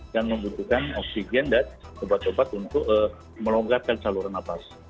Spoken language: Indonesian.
dan membutuhkan oksigen dan obat obat untuk melonggarkan saluran napas